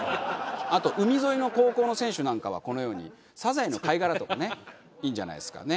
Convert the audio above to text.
あと海沿いの高校の選手なんかはこのようにサザエの貝殻とかねいいんじゃないですかね。